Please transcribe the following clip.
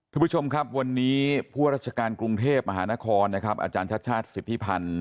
ทุกผู้ชมครับวันนี้ผู้ราชการกรุงเทพมหานครนะครับอาจารย์ชาติชาติสิทธิพันธ์